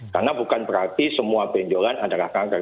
karena bukan berarti semua benjolan adalah kanker